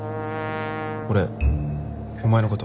俺お前のこと。